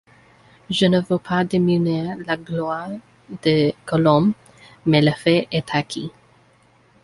Je ne veux pas diminuer la gloire de Colomb, mais le fait est acquis.